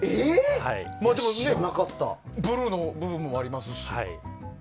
ブルーの部分もありますし。